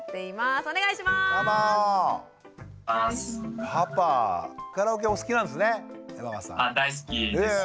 はい大好きです。